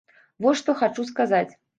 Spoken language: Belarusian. Вось што хачу сказаць.